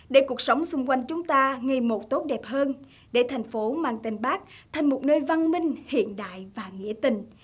để cuộc sống xung quanh chúng ta ngày một tốt đẹp hơn để thành phố mang tên bác thành một nơi văn minh hiện đại và nghĩa tình